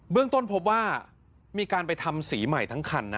เรื่องต้นพบว่ามีการไปทำสีใหม่ทั้งคันนะ